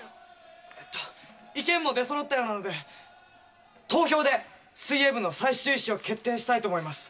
えーと意見も出そろったようなので投票で水泳部の最終意思を決定したいと思います。